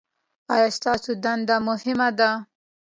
ایا ستاسو دنده مهمه ده؟